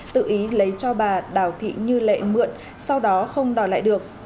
tự ý lấy cho bà đào thị như lệ mượn sau đó không đòi lại được